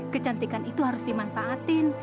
kecantikan itu harus dimanfaatin